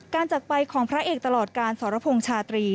จากไปของพระเอกตลอดการสรพงษ์ชาตรี